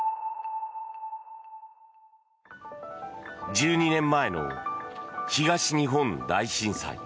１２年前の東日本大震災。